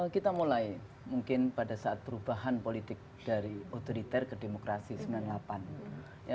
kita mulai mungkin pada saat perubahan politik dari otoriter ke demokrasi sembilan puluh delapan